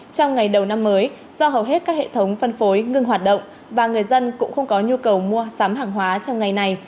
trong ngày đầu năm mới do hầu hết các hệ thống phân phối ngưng hoạt động và người dân cũng không có nhu cầu mua sắm hàng hóa trong ngày này